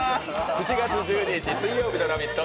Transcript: ７月１２日、水曜日の「ラヴィット！」。